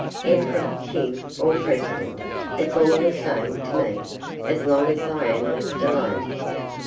Emperor, King, or President, it's all the same to me, as long as I am left alone.